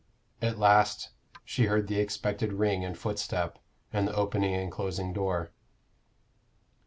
At last she heard the expected ring and footstep, and the opening and closing door.